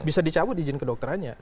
bisa dicabut izin ke dokterannya